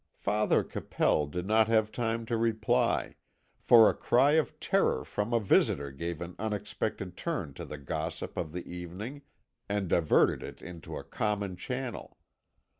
Father Capel did not have time to reply, for a cry of terror from a visitor gave an unexpected turn to the gossip of the evening, and diverted it into a common channel.